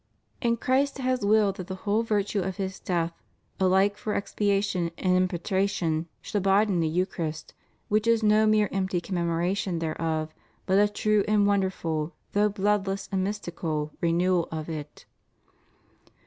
And Christ has willed that the whole virtue of His death, alike for expiation and impetration, should abide in the Eucharist, which is no mere empty commemoration thereof, but a true and wonderful, though bloodless and mystical, renewal of it.